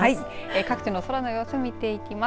各地の空の様子を見ていきます。